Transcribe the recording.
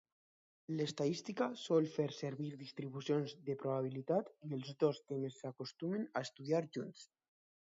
L'estadística sol fer servir distribucions de probabilitat, i els dos temes s'acostumen a estudiar junts.